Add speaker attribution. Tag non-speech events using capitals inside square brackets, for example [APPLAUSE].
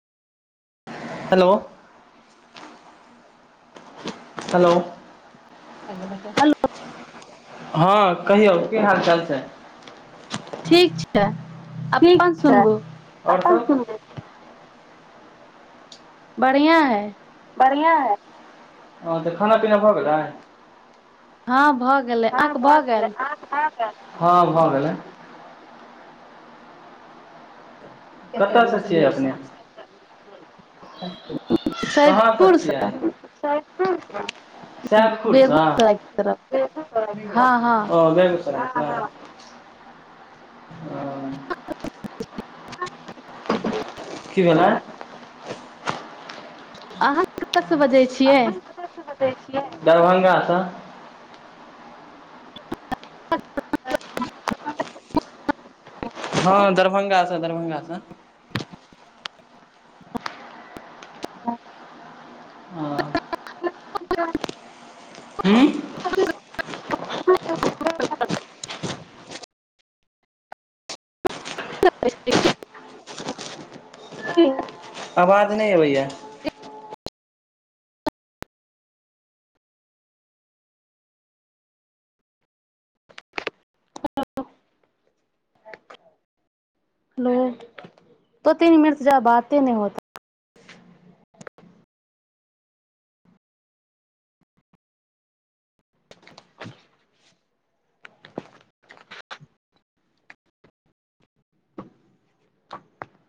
Speaker 1: Hello, hello
Speaker 2: [UNINTELLIGIBLE] hello
Speaker 1: हँ कहियौ, की हाल चाल छै?
Speaker 2: ठीक छै, अप्पन सुनबू
Speaker 1: आओर क [UNINTELLIGIBLE]
Speaker 2: बढ़िआँ हइ।
Speaker 1: बढ़िआ है। तऽ खाना पीना भऽ गेलै?
Speaker 2: हँ भऽ गेल। गेलै
Speaker 1: हँ
Speaker 2: अहाँके
Speaker 1: भ
Speaker 2: भऽ
Speaker 1: गेलै, अहा खा भ गेल? हाँ भ गेले।
Speaker 2: ह। [UNINTELLIGIBLE]
Speaker 1: कतय स छियै अपने? कहाँसँ
Speaker 2: सैदपुर
Speaker 1: छियै?
Speaker 2: सँ
Speaker 1: सैबपुरसँ। सैबपुर स?
Speaker 2: बेगूसराय के तरफ हँ हँ
Speaker 1: ओ बेग स। [UNINTELLIGIBLE] ह। कि भेलाइन?
Speaker 2: अहाँ कतयसँ बजैत छियै?
Speaker 1: कत स बजै छियै? दरभंगा स। हँ दरभंगा स, दरभंगा स। हँ। ह्म। [UNINTELLIGIBLE] ह। [UNINTELLIGIBLE]
Speaker 2: । [UNINTELLIGIBLE]
Speaker 1: अवाद नहि अबैया।
Speaker 2: हेलो [UNINTELLIGIBLE] हेलो दू तीन मिनट जा बाते नहि होत।